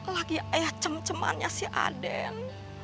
lagi ada cem cemennya si aden